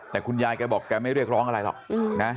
แต่คุณยายแกบอกแกไม่เรียกร้องอะไรหรอกนะ